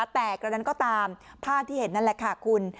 แตกแล้วนั้นตามผ้าที่เห็นนั่นแหละค่ะคุณ